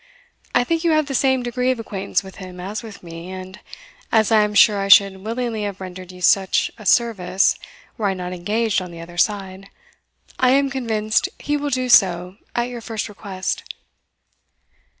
I think you have the same degree of acquaintance with him as with me, and, as I am sure I should willingly have rendered you such a service were I not engaged on the other side, I am convinced he will do so at your first request."